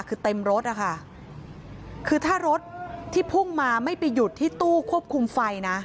คือเต็มรถนะคะคือถ้ารถที่พุ่งมาไม่ไปหยุดที่ตู้ควบคุมไฟนะ